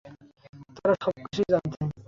তারা সবকিছুই জানতো!